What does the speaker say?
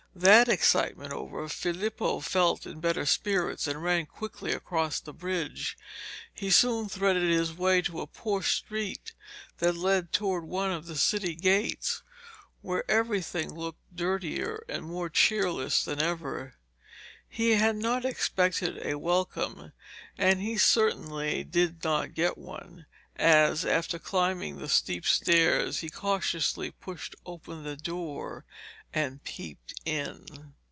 That excitement over, Filippo felt in better spirits and ran quickly across the bridge. He soon threaded his way to a poor street that led towards one of the city gates, where everything looked dirtier and more cheerless than ever. He had not expected a welcome, and he certainly did not get one, as, after climbing the steep stairs, he cautiously pushed open the door and peeped in.